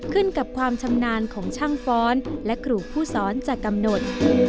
ขึ้นกับความชำนาญของช่างฟ้อนและครูผู้สอนจะกำหนด